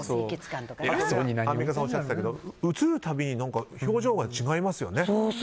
アンミカさんがおっしゃっていたけど映る度に表情が違いますよね。